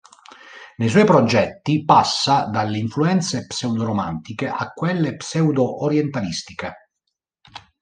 Nei suoi progetti passa dalle influenze pseudo-romantiche a quelle pseudo-orientalistiche.